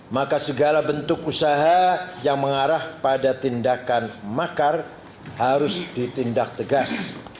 maka segala bentuk usaha yang mengarah pada tindakan makar harus ditindak tegas